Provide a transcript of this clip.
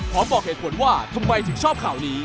บอกเหตุผลว่าทำไมถึงชอบข่าวนี้